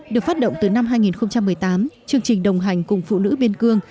được phát động từ năm hai nghìn một mươi tám chương trình đồng hành cùng phụ nữ biên cương